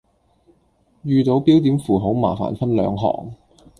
遇到標點符號麻煩分兩行